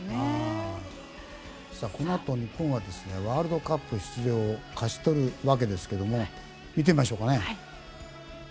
このあと日本はワールドカップ出場を勝ち取るわけですけども見てみましょうかね。